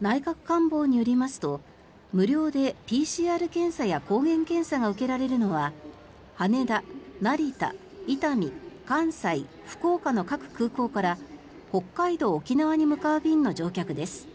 内閣官房によりますと無料でＰＣＲ検査や抗原検査が受けられるのは羽田、成田、伊丹、関西、福岡の各空港から北海道、沖縄に向かう便の乗客です。